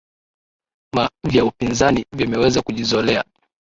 ma vya upinzani vimeweza kujizolea